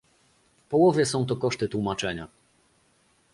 W połowie są to koszty tłumaczenia